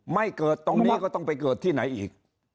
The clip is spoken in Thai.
ไม่เกิดตรงนี้ก็ต้องไปเกิดที่ไหนอีก